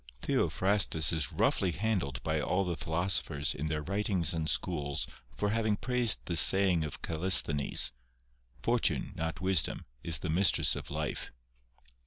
" Theophrastus is roughly handled by all the philosophers in their writings and schools for having praised this saying of Callisthenes :' Fortune, not wisdom, is the mistress of life.'